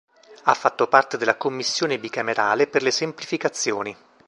Ha fatto parte della Commissione bicamerale per le Semplificazioni.